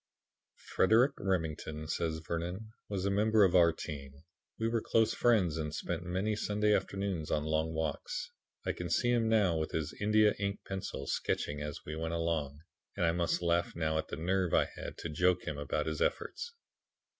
"Frederic Remington," says Vernon, "was a member of our team. We were close friends and spent many Sunday afternoons on long walks. I can see him now with his India ink pencil sketching as we went along, and I must laugh now at the nerve I had to joke him about his efforts.